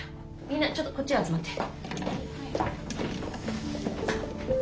みんなちょっとこっち集まって。